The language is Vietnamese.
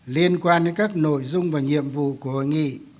liên quan đến các nội dung và nhiệm vụ của hội nghị